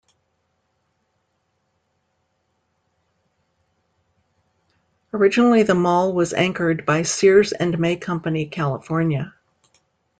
Originally, the mall was anchored by Sears and May Company California.